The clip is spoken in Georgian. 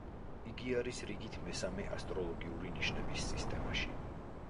იგი არის რიგით მესამე ასტროლოგიური ნიშნების სისტემაში.